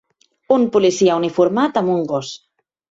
Un policia uniformat amb un gos.